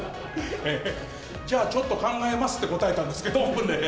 じゃあ、ちょっと考えますって答えたんですけど。